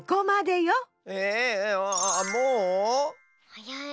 はやい。